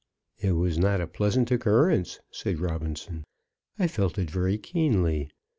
"It was not a pleasant occurrence," said Robinson. "I felt it very keenly.